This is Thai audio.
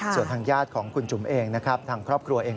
ส่วนทางญาติของคุณจุ๋มเองนะครับทางครอบครัวเอง